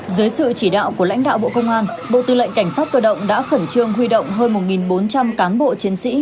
dưới sự chỉ đạo của lãnh đạo bộ công an bộ tư lệnh cảnh sát cơ động đã khẩn trương huy động hơn một bốn trăm linh cán bộ chiến sĩ